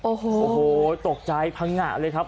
โอ้โหตกใจพังงะเลยครับ